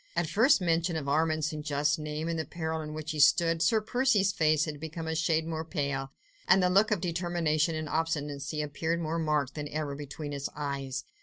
At first mention of Armand St. Just's name and of the peril in which he stood, Sir Percy's face had become a shade more pale; and the look of determination and obstinacy appeared more marked than ever between his eyes.